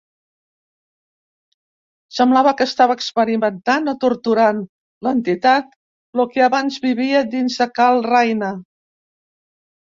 Semblava que estava experimentant o torturant l'entitat Ió que abans vivia dins de Kyle Rayner.